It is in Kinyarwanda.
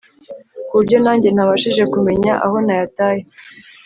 kuburyo nanjye ntabashije kumenya aho nayataye